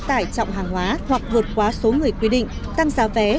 chờ quá tải trọng hàng hóa hoặc vượt quá số người quy định tăng giá vé